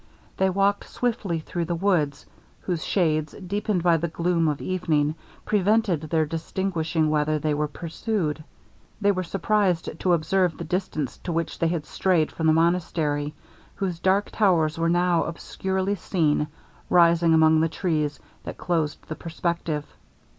They walked swiftly through the woods, whose shades, deepened by the gloom of evening, prevented their distinguishing whether they were pursued. They were surprized to observe the distance to which they had strayed from the monastery, whose dark towers were now obscurely seen rising among the trees that closed the perspective.